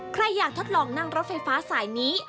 ใครอยากทดลองนั่งรถไฟฟ้าสายนี้